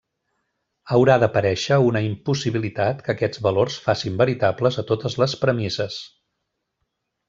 Haurà d'aparèixer una impossibilitat que aquests valors facin veritables a totes les premisses.